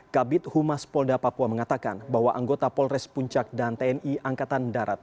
kabit humas polda papua mengatakan bahwa anggota polres puncak dan tni angkatan darat